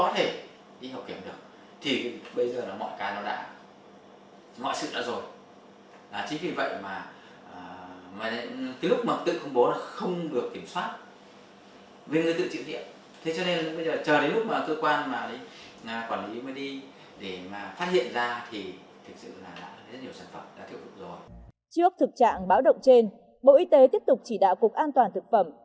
trước thực trạng báo động trên bộ y tế tiếp tục chỉ đạo cục an toàn thực phẩm